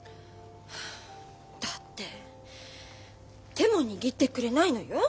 だって手も握ってくれないのよ。